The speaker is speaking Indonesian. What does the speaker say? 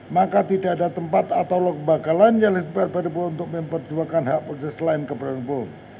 maka tidak ada tempat atau log bakalan yang lebih berbeda untuk memperjuangkan hak politik selain keberanian hukum